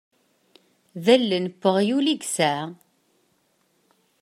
D allen n weɣyul i yesɛa.